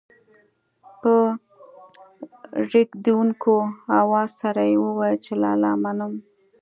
په رېږېدونکي اواز سره يې وويل چې لالا منم.